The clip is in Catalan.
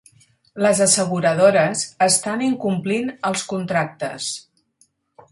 Les asseguradores estan incomplint els contractes.